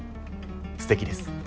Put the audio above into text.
すてきです。